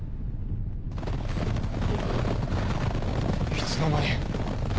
いつの間に。